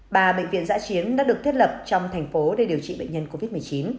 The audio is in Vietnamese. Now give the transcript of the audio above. ba bệnh viện giã chiến đã được thiết lập trong thành phố để điều trị bệnh nhân covid một mươi chín